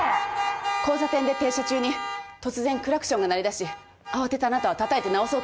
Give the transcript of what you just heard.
交差点で停車中に突然クラクションが鳴りだし慌てたあなたはたたいて直そうとした。